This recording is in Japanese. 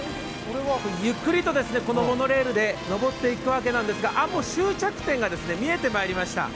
ゆっくりと、このモノレールで登っていくわけなんですが、もう終着点が見えてまいりました。